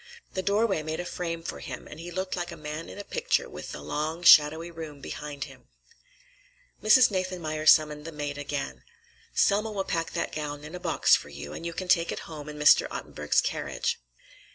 The doorway made a frame for him, and he looked like a man in a picture, with the long, shadowy room behind him. Mrs. Nathanmeyer summoned the maid again. "Selma will pack that gown in a box for you, and you can take it home in Mr. Ottenburg's carriage."